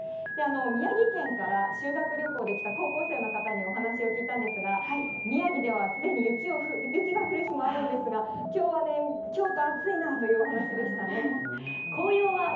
宮城県から修学旅行で来た高校生の方にお話を聞いたんですが、宮城ではすでに雪が降る日もあるんですが、きょうはね、京都暑いなというお話でしたね。